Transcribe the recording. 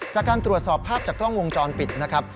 จากการตรวจสอบภาพจากกล้องวงจรปิดนะครับ